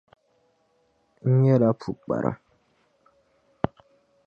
N nyɛla pukpara.